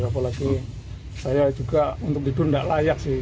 apalagi saya juga untuk tidur tidak layak sih